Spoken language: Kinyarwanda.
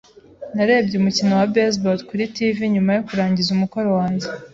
Narebye umukino wa baseball kuri TV nyuma yo kurangiza umukoro wanjye.